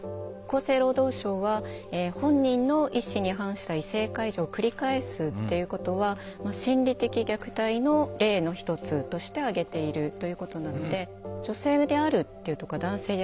厚生労働省は本人の意思に反した異性介助を繰り返すっていうことは心理的虐待の例の一つとして挙げているということなので。